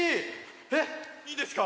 えっいいんですか？